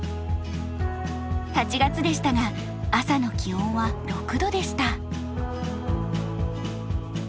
８月でしたが朝の気温は６度でした。